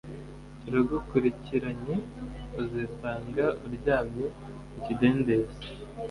Turagukurikiranye uzisanga uryamye mu kidendezi